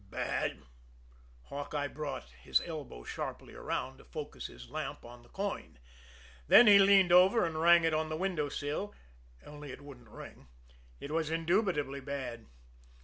"Bad!" Hawkeye brought his elbow sharply around to focus his lamp on the coin; then he leaned over and rang it on the window sill only it wouldn't ring. It was indubitably bad.